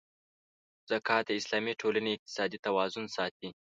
زکات د اسلامي ټولنې اقتصادي توازن ساتي.